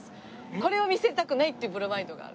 これは見せたくないっていうプロマイドがある。